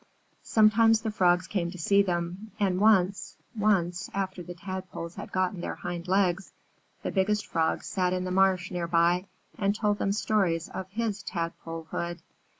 Sometimes the Frogs came to see them, and once once, after the Tadpoles had gotten their hindlegs, the Biggest Frog sat in the marsh near by and told them stories of his Tadpolehood.